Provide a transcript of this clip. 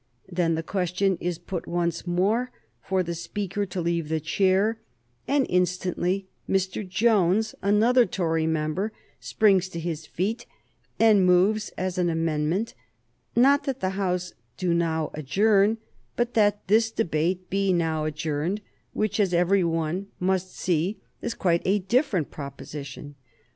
Then the question is put once more for the Speaker to leave the chair, and instantly Mr. Jones, another Tory member, springs to his feet and moves as an amendment, not that the House do now adjourn, but that this debate be now adjourned, which, as every one must see, is quite a different proposition.